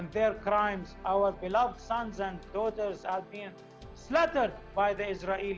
dan penyakit mereka anak anak dan anak anak kami telah ditakjub oleh israel